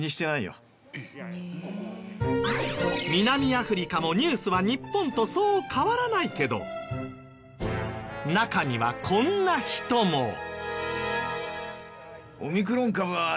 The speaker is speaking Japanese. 南アフリカもニュースは日本とそう変わらないけど中にはこんな人も。